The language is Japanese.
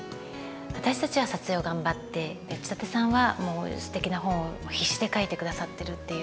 私たちは撮影を頑張って内館さんはすてきな本を必死で書いてくださってるっていう。